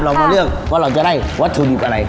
เรามาเลือกว่าเราจะได้วัตถุดิบอะไร